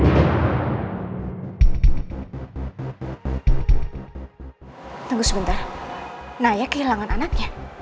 tunggu sebentar naya kehilangan anaknya